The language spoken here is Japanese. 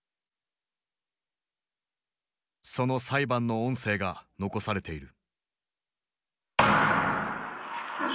その裁判の音声が残されている。